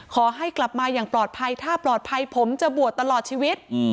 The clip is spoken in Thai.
ขอให้กลับมาอย่างปลอดภัยถ้าปลอดภัยผมจะบวชตลอดชีวิต